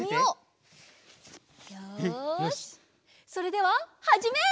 それでははじめい！